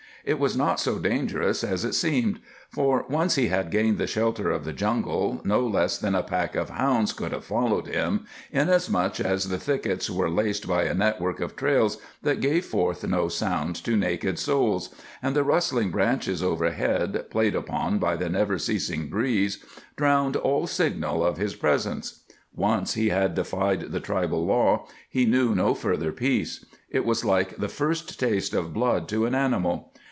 It was not so dangerous as it seemed, for, once he had gained the shelter of the jungle, no less than a pack of hounds could have followed him, inasmuch as the thickets were laced by a network of trails that gave forth no sound to naked soles, and the rustling branches overhead, played upon by the never ceasing breeze, drowned all signal of his presence. Once he had defied the tribal law, he knew no further peace. It was like the first taste of blood to an animal.